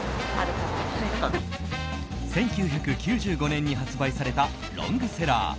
１９９５年に発売されたロングセラー。